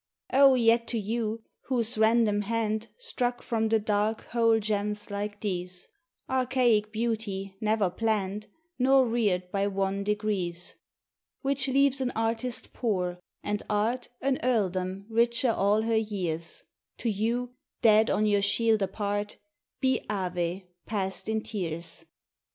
O yet to you, whose random hand Struck from the dark whole gems like these, (Archaic beauty, never planned Nor reared by wan degrees, Which leaves an artist poor, and Art An earldom richer all her years;) To you, dead on your shield apart, Be Ave! passed in tears.